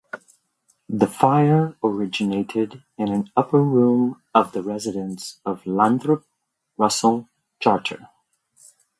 The fire originated in an upper room of the residence of Lathrop Russell Charter.